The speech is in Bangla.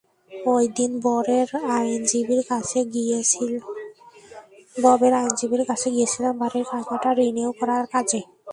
ঐদিন ববের আইনজীবীর কাছে গিয়েছিলাম, বাড়ির খাজনাটা রিনিউ করার কাজে।